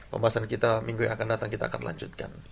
pembahasan kita minggu yang akan datang kita akan lanjutkan